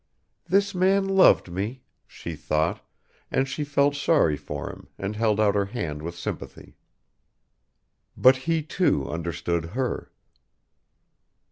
"This man loved me," she thought, and she felt sorry for him and held out her hand with sympathy. But he too understood her.